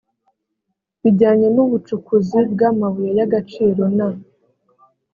bijyanye n ubucukuzi bw amabuye y agaciro na